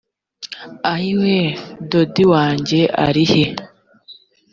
ayiwe dodi wange ari he?